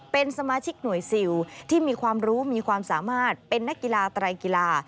เป็นสมาชิกหน่วยซิลที่มีความรู้มีความสามารถเป็นนักกีฬาไตรกีฬา